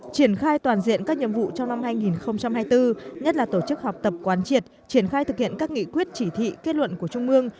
cho năm hai nghìn hai mươi bốn nhất là tổ chức học tập quán triệt triển khai thực hiện các nghị quyết chỉ thị kết luận của trung ương